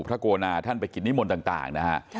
พระโกนาท่านไปคิดนิมลต่างด้านธาตุ